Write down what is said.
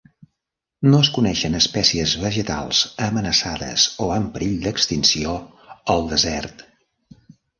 No es coneixen espècies vegetals amenaçades o en perill d'extinció al desert.